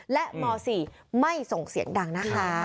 และม๔ไม่ส่งเสียงดังนะคะ